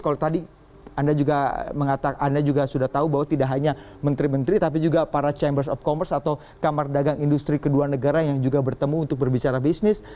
kalau tadi anda juga mengatakan anda juga sudah tahu bahwa tidak hanya menteri menteri tapi juga para chambers of commerce atau kamar dagang industri kedua negara yang juga bertemu untuk berbicara bisnis